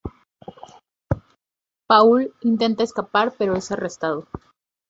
Paul intenta escapar pero es arrestado.